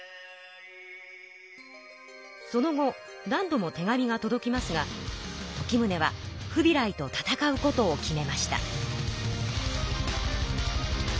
その後何度も手紙がとどきますが時宗はフビライと戦うことを決めました。